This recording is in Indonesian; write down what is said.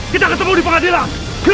kita ketemu di pengadilan